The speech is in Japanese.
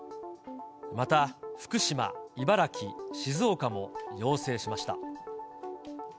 また福島、茨城、静岡も要請しました。